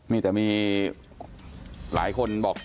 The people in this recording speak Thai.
นี่แต่มีหลายคนบอก